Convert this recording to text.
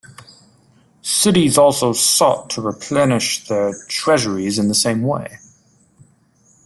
Cities also sought to replenish their treasuries in the same way.